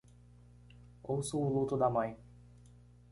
Ouça o luto da mãe